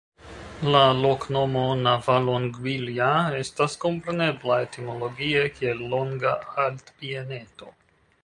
La loknomo "Navalonguilla" estas komprenebla etimologie kiel "Longa Altbieneto".